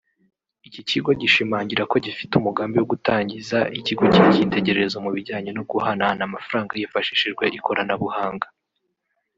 Iki kigo gishimangira ko gifite umugambi wo gutangiza ikigo cy’icyitegerezo mu bijyanye no guhanahana amafanranga hifashishijwe ikoranabuhanga